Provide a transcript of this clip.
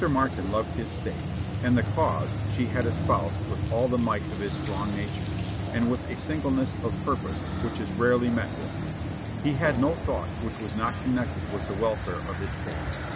Martin loved his State and the cause she had espoused with all the might of his strong nature, and with a singleness of purpose which is rarely met with : he had no thought which was not connected with the welfare of his State.